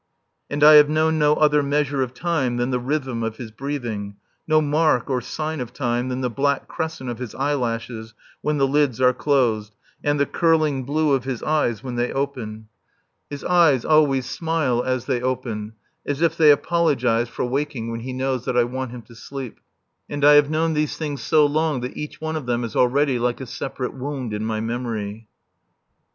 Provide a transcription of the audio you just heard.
And I have known no other measure of time than the rhythm of his breathing, no mark or sign of time than the black crescent of his eyelashes when the lids are closed, and the curling blue of his eyes when they open. His eyes always smile as they open, as if he apologized for waking when he knows that I want him to sleep. And I have known these things so long that each one of them is already like a separate wound in my memory.